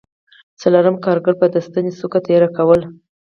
څلورم کارګر به د ستنې څوکه تېره کوله